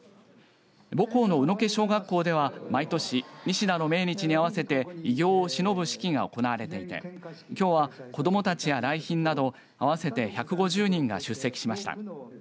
母校の宇ノ気小学校では、毎年西田の命日に合わせて偉業をしのぶ式が行われていてきょうは子どもたちや来賓など合わせて１５０人が出席しました。